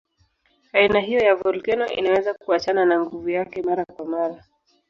Aina hiyo ya volkeno inaweza kuachana na nguvu yake mara kwa mara.